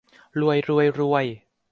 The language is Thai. รวย รวย รวย